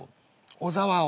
小沢を。